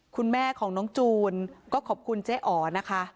คุณแม่ของน้องจูนก็ขอบคุณเจ๊อ๋อนะคะ